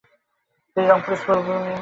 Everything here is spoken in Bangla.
তিনি রংপুর স্কুলবোর্ডের সভাপতি ছিলেন।